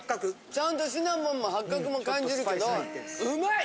ちゃんとシナモンも八角も感じるけどうまい！